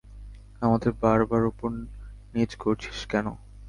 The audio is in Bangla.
আমাদের বারবার উপর-নিচ করছিস কেন?